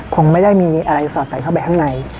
คงไม่ได้มีอะไรสอดใส่เข้าไปข้างใน